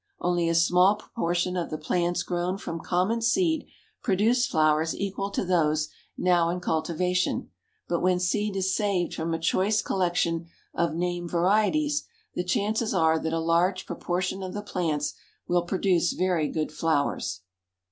Only a small proportion of the plants grown from common seed produce flowers equal to those now in cultivation, but when seed is saved from a choice collection of named varieties, the chances are that a large proportion of the plants will produce very good flowers.